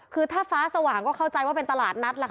คือถ้าฟ้าสว่างก็เข้าใจว่าเป็นตลาดนัดล่ะค่ะ